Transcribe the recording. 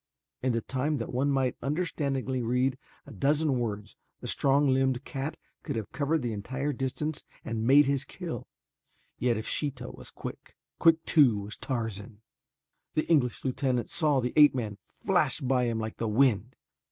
In the time that one might understandingly read a dozen words the strong limbed cat could have covered the entire distance and made his kill, yet if Sheeta was quick, quick too was Tarzan. The English lieutenant saw the ape man flash by him like the wind.